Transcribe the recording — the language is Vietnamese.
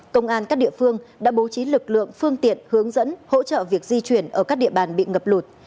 công an các địa phương đã bố trí lực lượng phương tiện hướng dẫn hỗ trợ việc di chuyển ở các địa bàn bị ngập lụt